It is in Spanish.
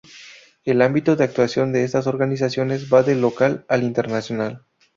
El ámbito de actuación de estas organizaciones va del local al internacional.